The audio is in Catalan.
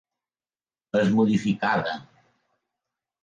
És modificada.